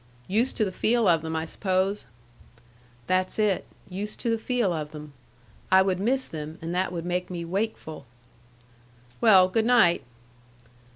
"Used to the feel of them, I suppose?" "That's it. Used to the feel of them. I would miss them, and that would make me wakeful." "Well, good night."